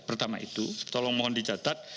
pertama itu tolong mohon dicatat